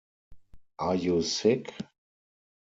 Are you sick?